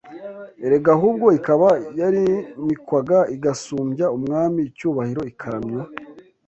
erega ahubwo ikaba yarimikwaga igasumbya umwami icyubahiro, ikaramywa